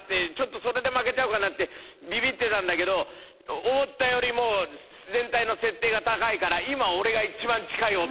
それで負けちゃうかなってビビってたんだけど思ったよりも全体の設定が高いから今俺が一番近い男。